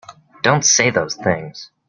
Don't say those things!